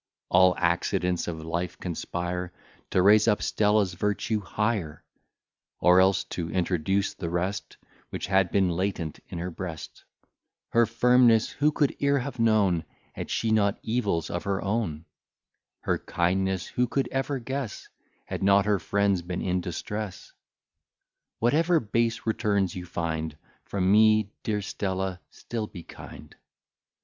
All accidents of life conspire To raise up Stella's virtue higher; Or else to introduce the rest Which had been latent in her breast. Her firmness who could e'er have known, Had she not evils of her own? Her kindness who could ever guess, Had not her friends been in distress? Whatever base returns you find From me, dear Stella, still be kind.